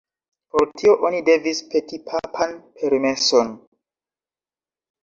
Por tio oni devis peti papan permeson.